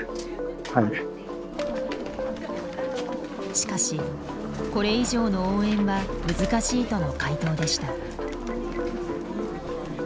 しかしこれ以上の応援は難しいとの回答でした。